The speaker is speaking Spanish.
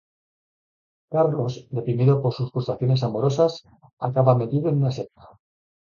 Carlos, deprimido por sus frustraciones amorosas, acaba metido en una secta.